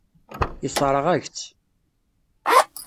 Yessṛeɣ-ak-tt.